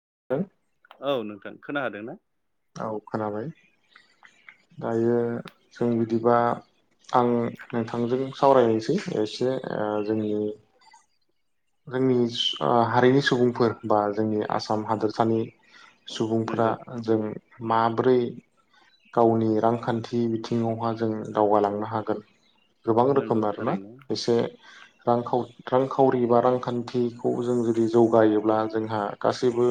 [unintelligible] औ नोंथां खोनाहादों ना? औ खोनाबाय। दायो जों बिदिबा आं नोंथांजों सावरायनोसै एसे ओ जोंनि जोंनिस हारिनि सुबुंफोर बा जोंनि आसाम हादोरसानि सुबुंफोरा नंगौ जों माब्रै गावनि रांखान्थि बिथिङावहा जों दावगालांनो हागोन? गोबां नंगौ रोखोम आरोना? थारैनो एसे रां रांखावरि रांखावरि एबा रांखान्थिखौ जों जुदि जौगायोब्ला जोंहा गासैबो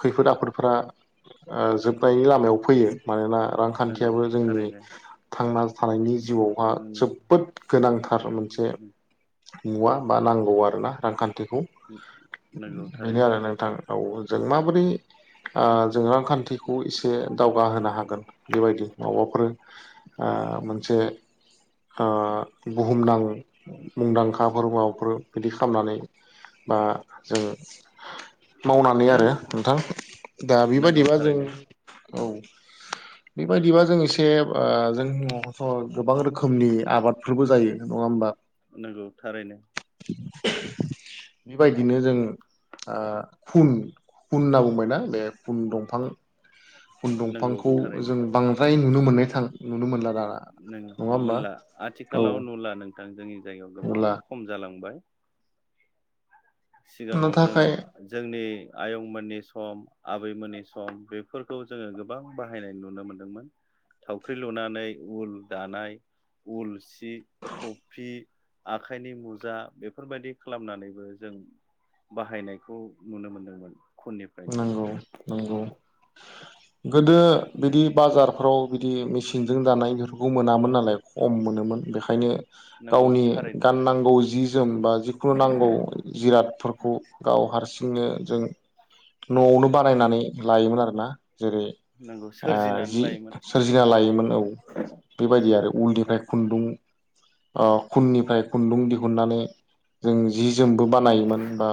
खैफोद आफोदफोरा ओ जोब नायनि लामायाव फैयो। मानोना नंगौ रांखान्थियाबो जोंनि थारैनो थांना थानायनि जिउआवहा आंनि जोबोद गोनां थार मोनसे। मिथिसेयाव नुवा बा नांगौ आरो ना रांखान्थि बेखौ नंगौ बेनो थारैनो आरो नोंथां। औ जों माबोरै ओ जों रांखान्थि खौ एसे दावगाहोनो हागोन। बेबायदि माफोर आ मोनसे ओ बुहुमदां मुंदांखाफोर माबाफोर बिदि खालामनानै बा जोङो। मावनानै आरो नोंथां। दा नंगौ बेबायदिबा जों थारैनो औ बेबायदिबा जों एसे आ जों नआवथ' गोबां रोखोमनि आबादफोरबो जायो। नङा होमबा? नंगौ थारैनो। बेबायदिनो जोङो, ओ खुन खुन होनना बुंबायना बे खुन दंफां खुन नंगौ दंफांखौ थारैनो जों बांद्राय नुनो मोननाय थां नुनो मोनला दा। नों मोनला आथिखालाव नुला नों। ा [unintelligible] जोंनि जायगायाव गोबां अब्ला खम जालांबाय। नो सिगाङाव थाखाय जोङो जोंनि आयंमोननि सम आबैमोननि सम बेफोरखौ जोङो गोबां बाहायनाय नुनो मोन्दोंमोन, थावख्रि लुनानै उल दानाय उल सि हि थफि आखाइनि मुजा बेफोरबायदि खालामनानैबो जों बाहायनायखौ नुनो मोनदोंमोन। खुननिफ्रायनो नोंगौ नंगौ। गोदो बिदि बाजारफ्राव बिदि मेचिनजों दानाय बेफोरखौ मोनामोन नालाय खम मोनोमोन बेखायनो नंगौ गावनि थारैनो गाननांगौ जि जोम बा जिखुनु नांगौ जिरादफोरखौ गाव हारसिं बिदिनो जों न'आवनो बानायनानै लायोमोन आरोना। जेरै नंगौ ओ सोरजिनानै जि लायोमोन सोरजिना लायोमोन औ बेबायदि आरो उलनिफ्राय खुन्दुं अ खुननिफ्राय खुन्दुं दिहुननानै जों जि जोमबो बानायोमोन बा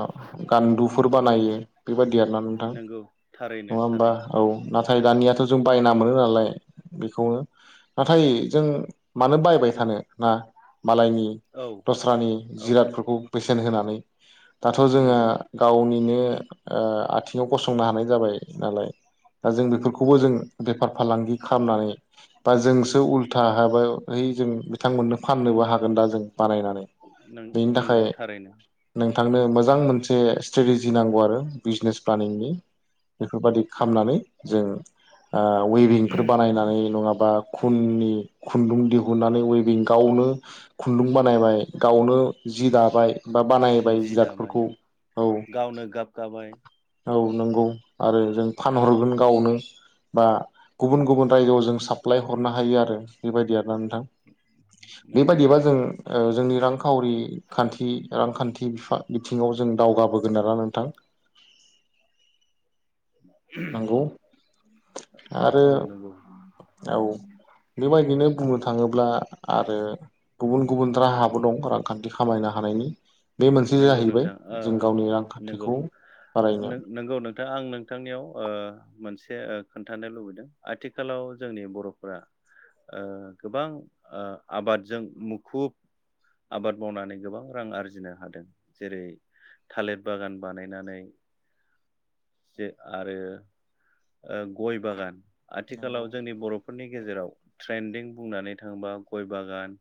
गान्दुफोर बानायो बेबायदि [unintelligible] नोंथां नंगौ थारैनो नङा होमबा थारैनो औ ना थाय दानियाथ' जों बायना मोनो नालाय बेखौनो नाथाय जों मानो बायबाय थानो ना? मालायनि औ दस्रानि औ जिरादफोरखौ बैस [unintelligible] होनानै दाथ' जोङो नंगौ गावनि [unintelligible] ओ आथिङाव गसंनो हानाय जाबाय नालाय दा जों बेफोरखौबो जों बेफार फालांगि खालामनानै बा जोंसो उल्था हा बै जों बिथांमोननो फाननोबो हागोन दा जों बानायनानै बेनि नंगौ थाखाय थारैनो नों थांनो मोजां मोनसे स्ट्रेटेजि नांगौ आरो। बिजनेस प्लानिंनि बेफोरबादि खालामनानै जों ओ वेभिंफोर बानायनानै नङाबा खुननि खुन्दुं दिहुननानै वेभिं गावनो खुन्दुं बानायबाय गावनो जि दाबाय बा बानायबाय जि दाबाय जिरादफोरखौ औ गावनो गाब गाबाय औ नंगौ आरो जों फानहरगोन गावनो बा गुबुन गुबुन रायजोआव जों साप्लाय हरनो हायो आरो बेबायदि आरो ना नोंथां। नंगौ बेबायदिबा जों थारैनो ओ जोंनि रांखावरि खान्थि रांखान्थि बिफा बिथिङाव जों दावगाबोगोन आरोना नोंथां। नंगौ आरो औ नंगौ औ बेबायदिनो बुंनो थाङोब्ला आरो गुबुन गुबुन राहाबो दं रांखान्थि खामायनो हानायनि। बे मोनसे नोंगौ जाहैबाय नोंथां ओ जों गावनि नंगौ रांखान्थिखौ बारायनो नों-नंगौ नोंथां आं नोंथांनियाव ओ मोनसे ओ खोन्थानो लुबैदों आथिखालाव जोंनि बर'फोरा ओ गोबां ओ आबादजों मुखुब आबाद मावनानै गोबां रां आरजिनो हादों जेरै थालिर बागान बानायनानै जे आरो ओ गय बागान नंगौ आथिखालाव जोंनि बर'फोरनि गेजेराव ट्रेन्दिं बुंनानै थाङोबा गय बागान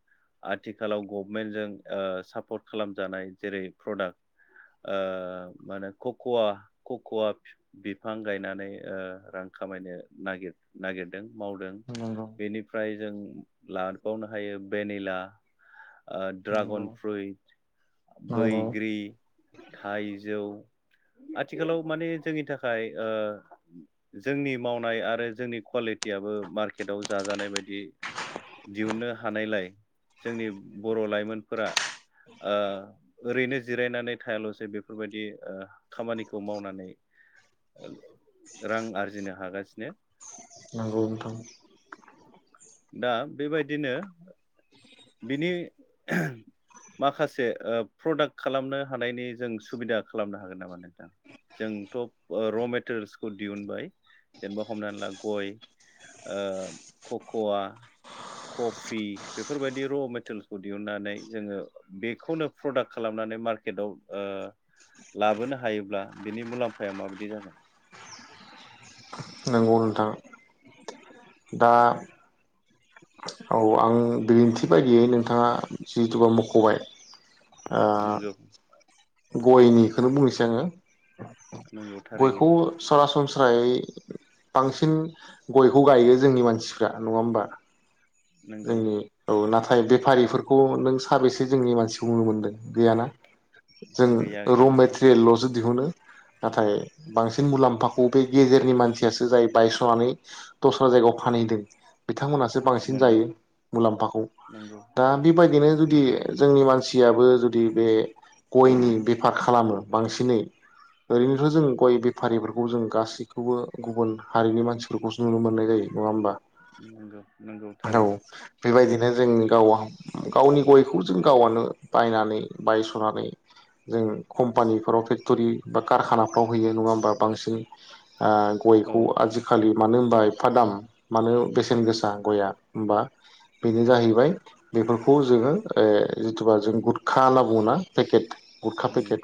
आथिखालाव गभमेन्टजों ओ सापर्ट खालामजानाय जेरै प्रडाक्ट ओ मा होनो कक'वा कक'वा फिफ बिफां गायनानै ओ रां खामायनो नागिर नागिरदों मावदों नंगौ बेनिफ्राय जों लादबावनो हायो भेनिला ओ नंगौ ड्रागन फ्रुइट नंगौ बैग्रि थाइजौ आथिखालाव माने जोंनि थाखाय ओ जोंनि मावनाय आरो जोंनि कुवालिटियाबो मार्केटाव जाजानाय बायदि दिहुननो हानायलाय जोंनि बर' लाइमोनफोरा ओ ओरैनो जिरायनानै थायाल'सो बेफोरबायदि ओ खामानिखौ मावनानै रां आरजिनो हागासिनो। नोंगौ नोंथां। दा बेबायदिनो बिनि माखासे ओ प्रडाक्ट खालामनो हानायनि जों सुबिदा खालामनो हागोन नामा नोंथां जोंथ र मेटेरियेल्सखौ दिहुनबाय जेनेबा हमना ला गय ओ ककवा कफि बेफ फोरबायदि र मेटेलसखौ दिहुननानै जोंङो बेखौनो प्रडाक्ट खालामनानै मार्केटाव ओ लाबोनो हायोब्ला बिनि मुलाम्फाया माबायदि जागोन नंगौ नोंथां दा औ आं गेरिन्थि बायदियै नोंथाङा जिहेतु मखबाय ओ नंगौ गयनिखौनो बुंनोसै आंङो नंगौ थारैनो गयखौ सरासनस स्रायै बांसिन गयखौ गायो जोंनि मानसिफ्रा नंङा होमबा नंगौ जोंनि औ नाथ थाय बेफारिफोरखौ नों साबेसे जोंनि मानसिखौ नुनो मोनगोन गैयाना जों गैया गैया र नोंथां मेटेरियेललसो दिहुनो नाथाय बांसिन मुलाम्फाखौ बे गेजेरनि मानसियासो जायो बायस्रनानै दस्रा जायगायाव फानहैदों बिथांमोनहासो बांसिन नंगौ जायो मुलाम्फाखौ नंगौ दा बेबायद दिनो जुदि जोंनि मानस सियाबो जुदि बे गयनि बेफार खालामो बांसिनै ओरैनोथ जोंङो गय बेफारिफोरखौ जों गासैखौबो गुबुन हारिनि मानसिफोरखौसो नुनो मोननाय जायो नंङा होमबा नंगौ-नंगौ थारैनो औ बेबायदिनो जों गावा गावनि गयखौ जों गावआनो बायनानै बायसनानै जों कम्पानिफोराव फेक्टरि बा कारखानाफ्राव हैयो नंङा होमबा बांसिन आ औ गयखौ आजिखालि मानो होनबा एफा दाम मानो बेसेन गोसा गयआ होमबा बेनो जाहैबाय बेफोरखौ जोंङो ओ जिथुबा जों गुतखा होनना बुंङोना पेकेट गुरखा नंगौ पेकेट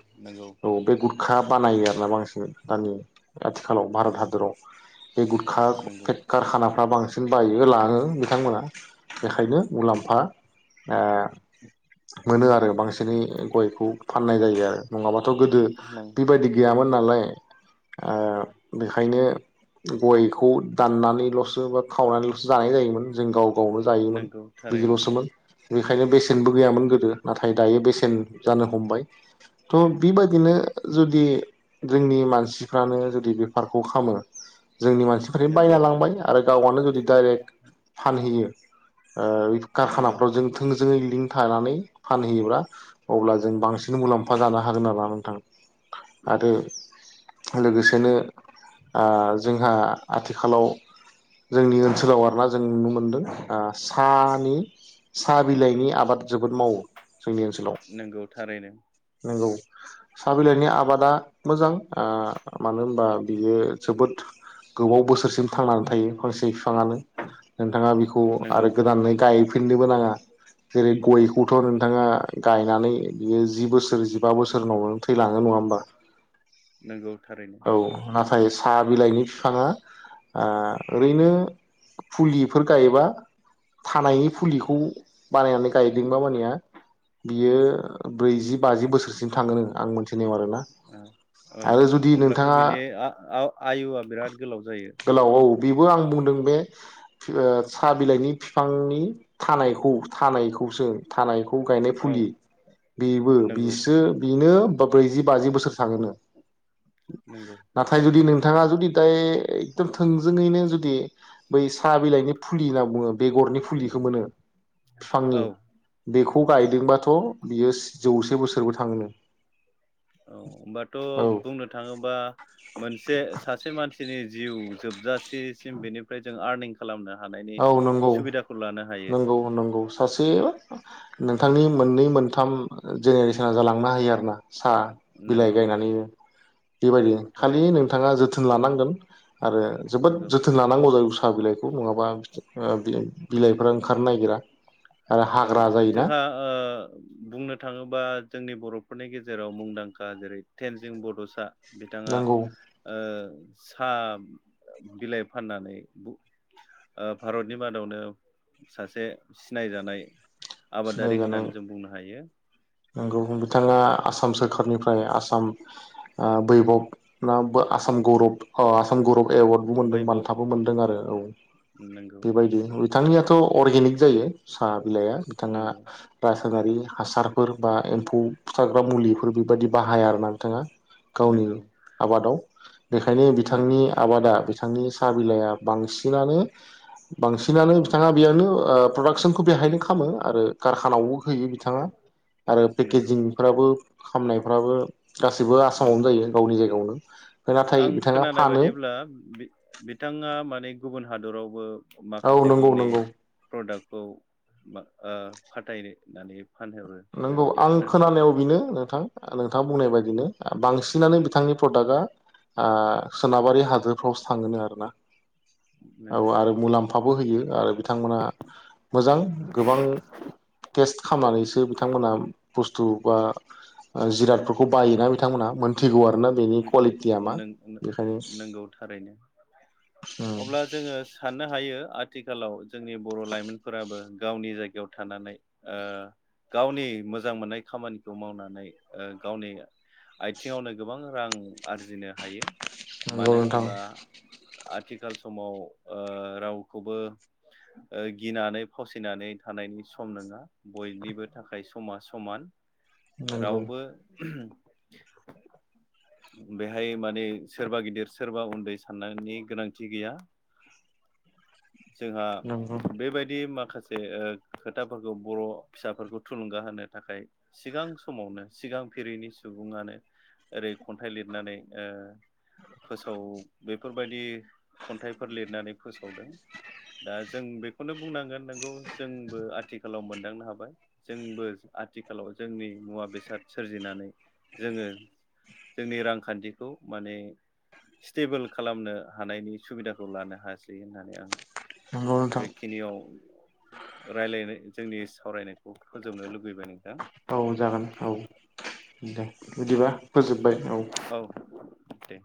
औ बे गुर खा बानायो आरोना बांसिन दानि आथिखालाव भारत हादराव बे गुटखा नंगौ फेक्खार खाना फा बांसिन बायो लांङो बिथांमोना बेखायनो मुलाम्फा ओ मोनो आरो बांसि फेनाय गयखौ फाननाय जायो आरो नङाबाथ गोदो नंगौ बिबायदि गैयामोन नालाय आ बेखायनो गयखौ दाननानैलसो बा खावनानैलसो जानाय जायोमोन जों गाव जायोमोन नंगौ थारैनो बिदिल'सोमोन। बेखायनो बेसेनबो गैयामोन गोदो नाथाय दायो बेसेन जानो हमबाय थ' बिबादिनो जुदि जोंनि मानसिफ्रानो जुदि बेफारखौ खाममो जोंनि मानसिफोरोन नंगौ बायना लांबाय आरो गाव गावनो जुदि डाइरेक्ट फानहैयो ओ ओइ नंगौ कारखानाफ्राव जों थोंजोङै लिंक थानानै फानहैयोब्ला अब्ला जों बांसिन मुलाम्फा जानो मानसि हागोन आरोना नोंथां। आरो लोगोसेनो आ जोंहा आथिखालाव जोंनि ओनसोलाव आरोना जों नुनो मोनदों आ सानि सा बिलाइनि आबाद जोबोद मावो जोंनि ओनसोलाव नंगौ थारैनो नोंगौ। साहा बिलाइनि आबादा मोजां आ मानो होनबा बियो जोबोद गोबाव बोसो रसिम थांना थायो फांसे बिफाङानो नोंथाङा बिखौ आरो नंगौ गोदानै गायफिननोबो नाङा जेरै गयखौथ' नोंथाङा गायनानै बियो जि बोसोर जि बा बोसोर उनावनो थैलाङो नङा होमबा नंगौ थारैनो औ नाथाय सा बिलाइनि बिफाङा ओ ओरैनो आ फुलिफोर गायोबा थानायनि फुलिखौ बानायनानै गायदोंबा मानिया बियो ब्रैजि बाजि बोसोरसिम थाङोनो आं मोनथिनायाव आरो आरोना औ जुदि अब्लाथ' नोंथाङा बिनि आ आव आयुआ बिराद गोलाव जायो। बिबो आं बुंदों बे ओ साहा बिलाइनि बिफांनि थानायखौ थानायखौसो थानाय खौ गायनाय औ फुलि बिबो नंगौ बिसो बिनो ब्रैजि बाजि बोसोर थाङोनो। नंगौ नाथाय जुदि नोंथाङा जुदि दाय थोंजोङैनो जुदि बै साहा बिलाइनि फुलि होनना बुङो बेगरनि फुलिखौ मोनो औ बिफांनि बेखौ गायदोंबाथ बियो जौसे बोसोर बोसोरबो थाङोनो। औ होमबाथ औ बुंनो थाङोबा मोनसे सासे मानसिनि जिउ जोबजासेसिम बेनिफ्राय जों आर्निं खालामनो हानायनि औ नंगौ सुबिदाखौ लाना नंगौ नंगौ सासे नोंथांनि मोननै मोनथाम जेनेरेसना जालांनो हायो आरो ना साहा बिलाइ नंगौ गायनानै बेबायदि नंगौ खालि थारैनो नोंथाङा जोथोन लानांगोन आरो जोबोद नंगौ जोथोन लानांगौ साहा बिलाइखौ नङाबा बिलाइ फोर ओंखारनो नागिरा आरो औ हाग्रा जायोना जोंहा बुंनो थाङोबा जोंनि बर' फोरनि गेजेराव मुंदांखा जेरै थेनजिं बड'सा बिथाङा नांगौ ओ साहा बिलाइ फाननानै भारतनि मादावनो सासे सिनायजानाय आबादारि सिनायजानाय होननानै जों बुंनो हायो। नंगौ बिथाङा आसाम सोरखारनिफ्राय आसाम बैभब ना आसाम गौरब आसाम गौरब एवार्डबो बै मोनदों ब बान्थाबो मोनदों आरो औ नंगौ बेबायदि बिथांनियाथ' अर्गेनिक जायो साहा बिलाया बिथाङा नंगौ नासारि हासार फोर बा एम्फौ फुथाग्रा मुलिफोर बेबायदि बाहाया आरोना बिथाङा गावनि नंगौ आबादाव बेखायनो नंगौ बिथांनि आबादा बिथां बिथांनि साहा बिलाइआ बांसिनानो बांसिनानो बिथाङा बेयावनो प्रडाक्सनखौ बेहायनो खालामो आरो कारखानावबो होयो बिथाङा। आरो नंगौ पेकेजिंफ्राबो खामनायफ्राबो गासैबो आसामावनो नंगौ जायो गावनि जायगायावनो नाथाय आं बिथाङा खोनानाय फानो बायदिब्ला बिथाङा माने गुबुन हादरावबो औ माखासे नंगौ गावनि नंगौ प्रडाक्टखौ ओ फाथायनो नानै नंगौ आं खोनानायाव बेनो नोंथां आं नोंथाङा बुंनाय बायदिनो बांसिनानो बिथांनि फ्रदाकगा ओ सोनाबारि हादोरफ्रावसो थाङोनो आरोना। औ नंगौ आरो मुलाम फाबो होयो आरो बिथांमोना मोजां गोबां टेस्ट खालामनानैसो बिथांमोना बुस्थु बा जिरादफोरखौ बायोना बिथांमोना मोनथिगौ आरो। नंगौ थारैनो उम अब्ला जोङो साननो हायो आथ थिखालाव जोंनि बर' लाइमोनफोराबो गावनि जायगायाव थानानै ओ गावनि मोजां मोननाय खामानिखौ मावनानै ओ गावनि आयथिङावनो गोबां रां आरजिनो हायो। नंगौ मानो नोंथां होनोबा आथिखाल समाव ओ रावखौबो ओ गिनानै फावसिनानै थानायनि सम नङा बयनिबो थाखाय समा समान। नंगौ रावबो [inaudible] बेहाय माने सोरबा गिदिर सोरबा उन्दै साननायनि गोनांथि गैया। जोंहा नंगौ बेबायदि माख माखासे ओ खोथाफोरखौ बर' फिसाफोरखौ थुलुंगा होनो थाखाय सिगां समावनो सिगां फिरिनि सुबुङानो ओरै खन्थाइ लिरनानै ओ फोसाव बेफोरबायदि खन्थाइफोर लिरनानै फोसावदों दा जों बेखौनो बुंनांगोन नोंगौ जोंबो आथिखालाव मोनदांनो हाबाय जोंबो आथिखालाव जोंनि मुवा बेसाद सोरजिनानै जोङो जोंनि रांखान्थिखौ माने स्टेबोल खालामनो हानायनि सुबिदाखौ लानो हायासै होननानै आं नंगौ नोंथां बेखिनियाव रायलायनाय जोंनि सावरायनायखौ फोजोबनो लुब औ जागोन औ। दे बिदिबा। फोजोब्बाय औ। दे।